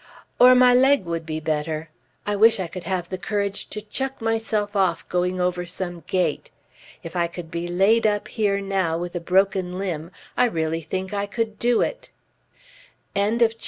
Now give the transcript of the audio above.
"Or my leg would be better. I wish I could have the courage to chuck myself off going over some gate. If I could be laid up here now with a broken limb I really think I could do it." CHAPTER XXII. JEMIMA.